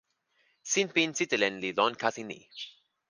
sinpin sitelen li lon kasi ni.